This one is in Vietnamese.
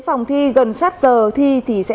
phòng thi gần sát giờ thi thì sẽ